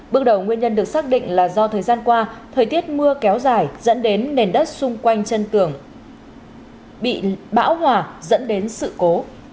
bước đầu nguyên nhân được xác định là do thời gian qua thời tiết mưa kéo dài dẫn đến nền đất xung quanh chân tường bị bão hòa dẫn đến sự cố